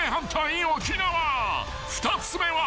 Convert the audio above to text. ［２つ目は］